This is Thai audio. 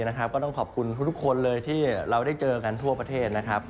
ก็ต้องขอบคุณทุกคนเลยที่เราได้เจอกันทั่วประเทศนะครับ